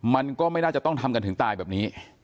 มันก็ไม่น่าจะต้องทำกันถึงตายแบบนี้